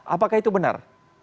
apakah itu benar